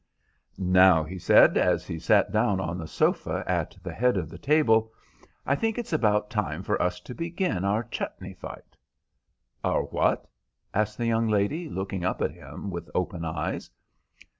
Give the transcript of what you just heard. "Now," he said, as he sat down on the sofa at the head of the table, "I think it's about time for us to begin our chutney fight." "Our what?" asked the young lady, looking up at him with open eyes.